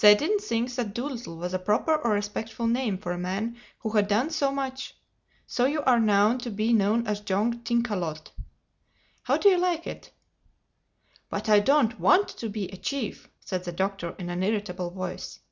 They didn't think that Dolittle was a proper or respectful name for a man who had done so much. So you are now to be known as Jong Thinkalot. How do you like it?" "But I don't want to be a chief," said the Doctor in an irritable voice.